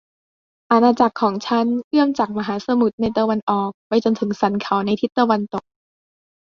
อาณาจักรของฉันเอื้อมจากมหาสมุทรในตะวันออกไปจนถึงสันเขาในทิศตะวันตก